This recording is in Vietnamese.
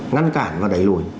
ngăn cản và đẩy lùi